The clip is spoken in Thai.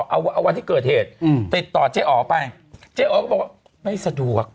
เอาวันที่เกิดเหตุติดต่อเจ๊อ๋อไปเจ๊อ๋อก็บอกว่าไม่สะดวก